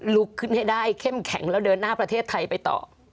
ลุกขึ้นให้ได้เข้มแข็งแล้วเดินหน้าประเทศไทยไปต่อ